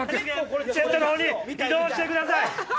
セットの方に移動してください。